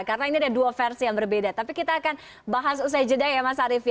karena ini ada dua versi yang berbeda tapi kita akan bahas usai jeda ya mas arief